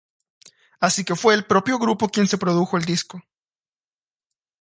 Así que fue el propio grupo quien se produjo el disco.